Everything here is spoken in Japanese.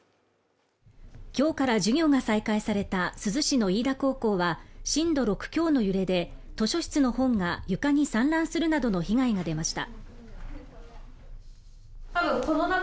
今日から授業が再開された珠洲市の飯田高校は震度６強の揺れで、図書室の本が床に散乱するなどの被害が出ました。